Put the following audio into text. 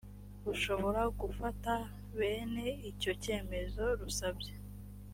rushobora gufata bene icyo cyemezo rusabye